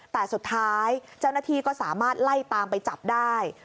แต่สุดท้ายเจ้าหน้าที่ก็สามารถไล่ตามไปจับได้